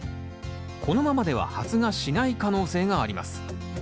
このままでは発芽しない可能性があります。